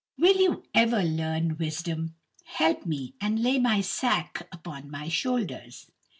will you ever learn wisdom? Help me, and lay my sack upon my shoulders."